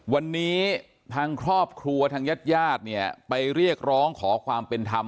วันนี้ทางครอบครัวทางญาติญาติเนี่ยไปเรียกร้องขอความเป็นธรรม